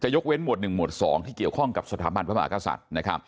ยกเว้นหมวด๑หมวด๒ที่เกี่ยวข้องกับสถาบันพระมหากษัตริย์